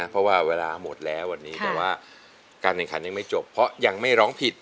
เพราะว่าเวลาหมดแล้ววันนี้แต่ว่าการแข่งขันยังไม่จบเพราะยังไม่ร้องผิด